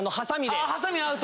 あぁハサミアウト！